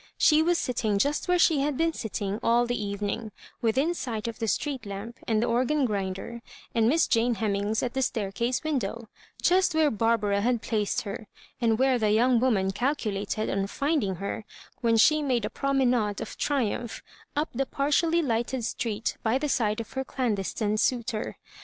She was sitting just where she had been sitting all the evening, with in sight of the street lamp and the org an grinder, and Miss Jane Hemmings at the staircase win dow; — just where Barbara had placed her, and where that young woman calculated on finding her, when she made a promenade of triumph up the partially lighted street by the side of her clan destine suitor.